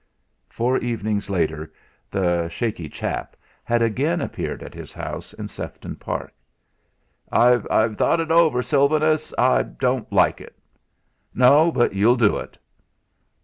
Four evenings later, the "shaky chap" had again appeared at his house in Sefton Park. "I've thought it over, Sylvanus. I don't like it. "No; but you'll do it."